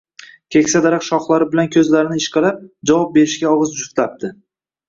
Keksa daraxt shoxlari bilan ko‘zlarini ishqalab, javob berishga og‘iz juftlabdi